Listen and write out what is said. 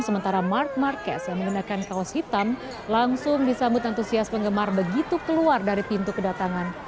sementara mark marquez yang menggunakan kaos hitam langsung disambut antusias penggemar begitu keluar dari pintu kedatangan